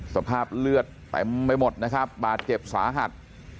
สภาพเลือดเต็มไปหมดนะครับบาดเจ็บสาหัส